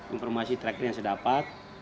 informasi terakhir yang saya dapat